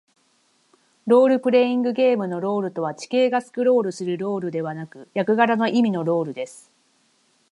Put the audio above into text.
ロールプレイングゲームのロールとは、地形がスクロールするロールではなく、役柄の意味のロールです。